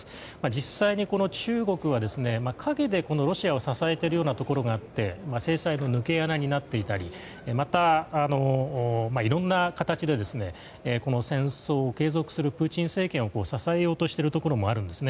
実際に中国は、陰でロシアを支えているようなところがあって制裁の抜け穴になっていたりまた、いろんな形でこの戦争を継続するプーチン政権を支えようとしているところもあるんです。